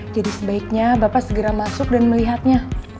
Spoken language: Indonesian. jadi sebaiknya bapak segera masuk dan melihatnya